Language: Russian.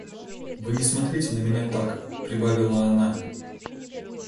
Вы не смотрите на меня так, — прибавила она.